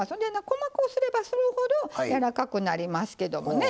細こうすればするほど柔らかくなりますけどもね。